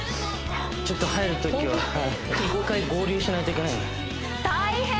ちょっと帰るときは１回合流しないといけないんで大変！